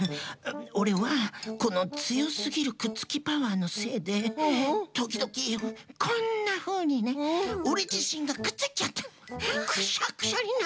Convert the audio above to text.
オレはこのつよすぎるくっつきパワーのせいでときどきこんなふうにねオレじしんがくっついちゃってくしゃくしゃになっちまう。